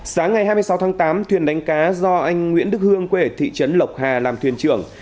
sáng ngày hai mươi sáu tháng tám thuyền đánh cá do anh nguyễn đức hương quê ở thị trấn lộc hà làm thuyền trưởng